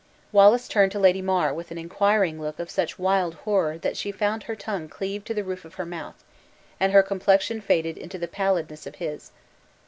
Wallace turned to Lady Mar with an inquiring look of such wild horror that she found her tongue cleave to the roof of her mouth, and her complexion faded into the pallidness of his.